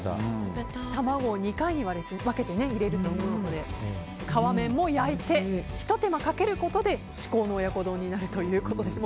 卵を２回に分けて入れるということで皮面も焼いてひと手間かけることで至高の親子丼になるということです。